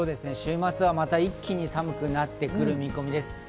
週末はまた一気に寒くなってくる見込みです。